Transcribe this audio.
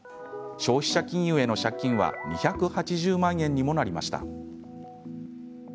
消費者金融への借金は２８０万円にもなりました。